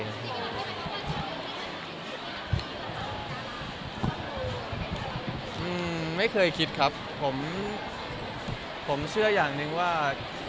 ไม่เคยคิดครับผมผมเชื่ออย่างหนึ่งว่า